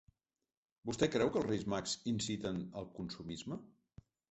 Vostè creu que els Reis Mags inciten al consumisme?